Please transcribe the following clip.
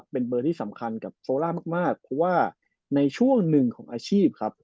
เป็นเบอร์ที่สำคัญกับโซล่ามากเพราะว่าในช่วงหนึ่งของอาชีพครับ